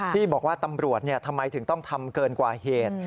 ที่บอกว่าตำรวจทำไมถึงต้องทำเกินกว่าเหตุ